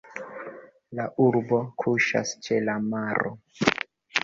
La urbo kuŝas ĉe la maro.